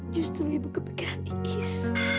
justru ibu kepikiran ikis